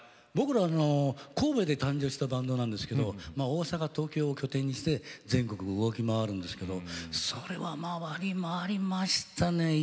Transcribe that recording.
僕ら神戸で誕生したバンドなんですけど大阪東京を拠点にして全国を動き回るんですけどそれは回り回りましたね。